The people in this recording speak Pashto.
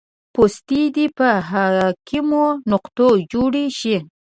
پوستې دې په حاکمو نقطو جوړې شي